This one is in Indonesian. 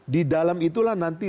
di dalam itulah nanti